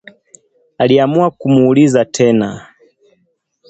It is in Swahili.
Aliamua kumuuliza tena